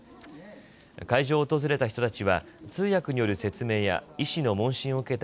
会場を訪れた人たちは通訳による説明や医師の問診を受けた